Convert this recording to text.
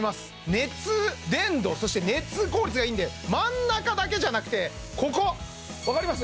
熱伝導そして熱効率がいいんで真ん中だけじゃなくてここ分かります？